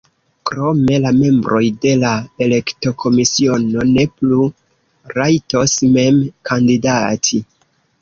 Krome la membroj de la elektokomisiono ne plu rajtos mem kandidati.